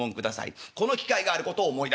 この機会があることを思い出す。